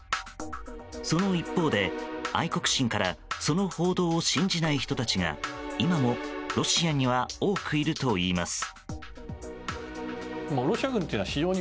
その一方で愛国心からその報道を信じない人たちが今もロシアには多くいるといいます。